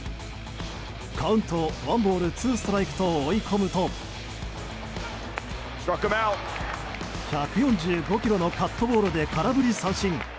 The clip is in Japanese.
カウントワンボールツーストライクと追い込むと１４５キロのカットボールで空振り三振。